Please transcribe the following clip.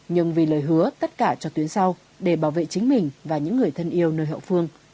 nhưng vì lời hứa tất cả cho tuyến sau để bảo vệ chính mình và những người thân yêu nơi hậu phương